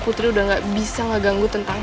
putri udah gak bisa ngeganggu tentang